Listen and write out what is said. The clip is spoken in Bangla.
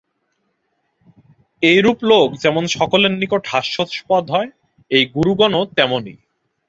এইরূপ লোক যেমন সকলের নিকট হাস্যাস্পদ হয়, এই গুরুগণও তেমনি।